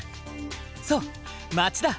そう町だ。